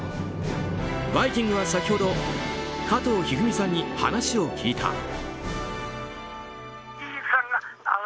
「バイキング」は先ほど加藤一二三さんに話を聞いた。